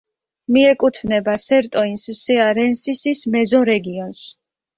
მიეკუთვნება სერტოინს-სეარენსისის მეზორეგიონს.